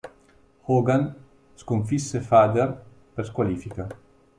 Hogan sconfisse Vader per squalifica.